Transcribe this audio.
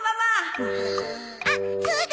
あっそうだ。